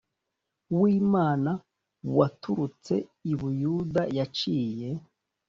w imana waturutse i buyuda yaciye